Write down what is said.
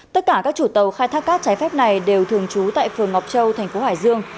tất cả các chủ tàu khai thác cát trái phép này đều thường trú tại phường ngọc châu thành phố hải dương